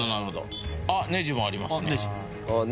あっネジもありますね